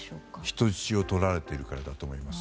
人質をとられているからだと思います。